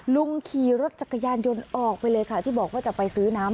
ลุงขี่รถจักรยานยนต์ออกไปเลยค่ะที่บอกว่าจะไปซื้อน้ำ